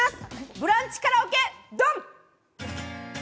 ブランチカラオケドン！